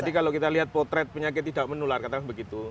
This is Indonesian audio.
jadi kalau kita lihat potret penyakit tidak menular katanya begitu